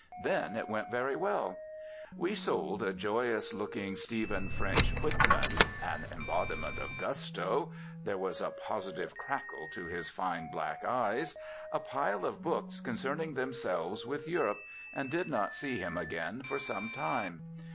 Then it went very well. We sold a joyous looking Stephen French Whitman, an embodiment of gusto there was a positive crackle to his fine black eyes a pile of books concerning themselves with Europe, and did not see him again for some time.